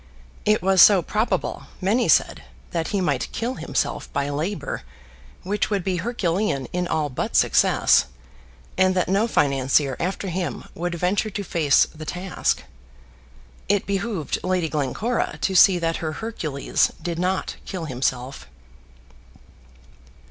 It was so probable, many said, that he might kill himself by labour which would be Herculean in all but success, and that no financier after him would venture to face the task. It behoved Lady Glencora to see that her Hercules did not kill himself.